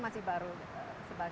kita sudah melakukan beberapa perubahan